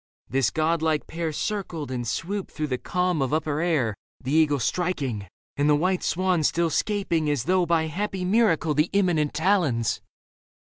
This god like pair Circled and swooped through the calm of upper air, The eagle striking and the white swan still 'Scaping as though by happy miracle The imminent talons.